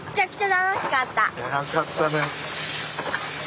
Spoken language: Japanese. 楽しかったね。